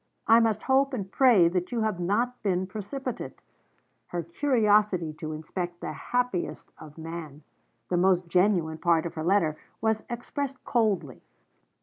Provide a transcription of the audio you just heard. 'I must hope and pray that you have not been precipitate.' Her curiosity to inspect the happiest of men, the most genuine part of her letter, was expressed coldly.